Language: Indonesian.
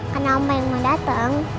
karena mbaik mau dateng